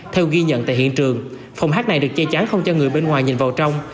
theo ghi nhận tại hiện trường phòng hát này được che chắn không cho người bên ngoài nhìn vào trong